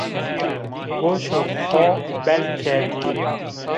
Goşê xo bel kerdî